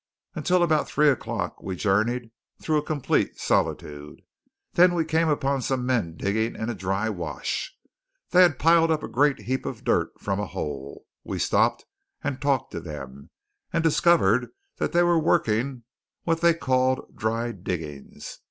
Until about three o'clock we journeyed through a complete solitude. Then we came upon some men digging in a dry wash. They had piled up a great heap of dirt from a hole. We stopped and talked to them; and discovered that they were working what they called "dry diggings."